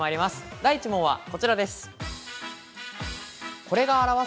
第１問はこちらです。